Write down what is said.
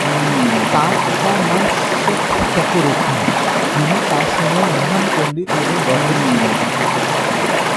তার পিতার নাম শেখ ফখর উদ্দিন, যিনি তার সময়ের মহান পণ্ডিত এবং দরবেশ ছিলেন।